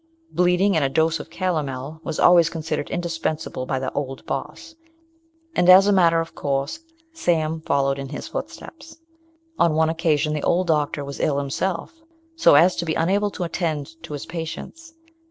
Bleeding and a dose of calomel was always considered indispensable by the "Old Boss"; and, as a matter of course, Sam followed in his footsteps. On one occasion the old doctor was ill himself, so as to be unable to attend to his patients.